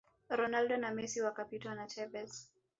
ronaldo na Messi wakapitwa na Tevez